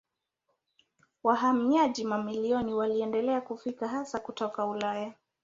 Wahamiaji mamilioni waliendelea kufika hasa kutoka Ulaya.